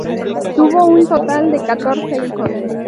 Tuvo un total de catorce hijos.